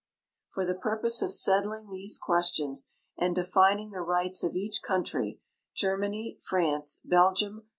For the j^urpose of settling these questions and defining the rights of each country, Germany, France, Belgium.